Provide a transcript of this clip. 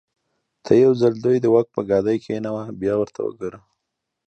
ته یو ځل دوی د واک پر ګدۍ کېنوه بیا ورته وګوره.